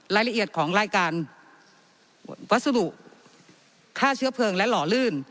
รายละเอียดของรายการวัสดุค่าเชื้อเพลิงและหล่อลื่น